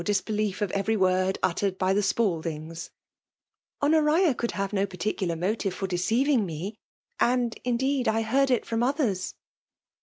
disbdief of ^erciy word uttered by the Spald^^ ings^r ]*' Honorift could have no particular moti^ for deoemhg me. And indeed I hbard it from others.